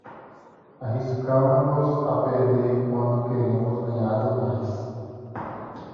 Arriscamo-nos a perder quando queremos ganhar demais.